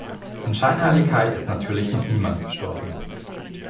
An Scheinheiligkeit ist natürlich noch niemand gestorben.